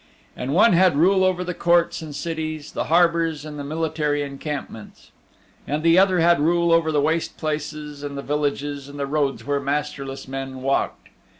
And one had rule over the courts and cities, the harbors and the military encampments. And the other had rule over the waste places and the villages and the roads where masterless men walked.